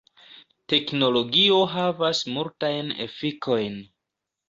Teknologio havas multajn efikojn.